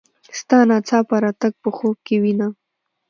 ستا ناڅاپه راتګ په خوب کې وینم.